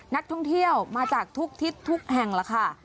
นักท่องเที่ยวมาจากทุกทิศทุกแห่งแล้วค่ะ